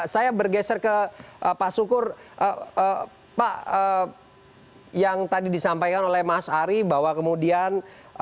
saya bergeser ke pak sukur pak yang tadi disampaikan oleh mas ari bahwa kemudian